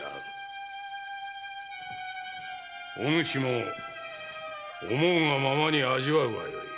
お主も思うがままに味わうがよい。